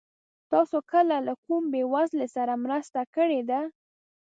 تاسو کله له کوم بېوزله سره مرسته کړې ده؟